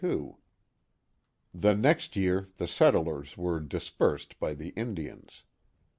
The next year the settlers were dispersed by the Indians.